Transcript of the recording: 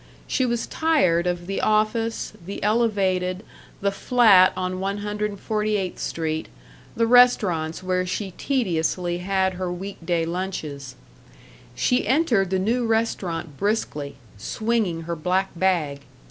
She was tired of the office, the Elevated, the flat on 148th Street, the restaurants where she tediously had her week day lunches. She entered the new restaurant briskly, swinging her black bag.